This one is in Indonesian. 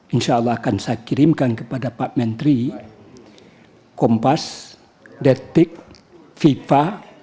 insya allah akan saya kirimkan kepada pak menteri kompas detik fifa